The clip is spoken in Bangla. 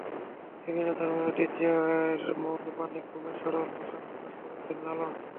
বিভিন্ন ধর্মের ঐতিহ্যের মূল বাণী খুবই সরল ভাষায় প্রকাশ করেছেন লালন।